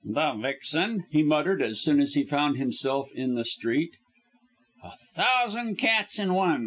"The vixen," he muttered as soon as he found himself in the street. "A thousand cats in one!